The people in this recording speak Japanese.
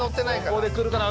どこで来るかな。